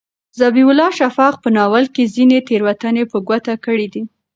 ذبیح الله شفق په ناول کې ځینې تېروتنې په ګوته کړي دي.